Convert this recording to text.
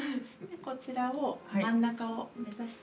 ◆こちらを、真ん中を伸ばして。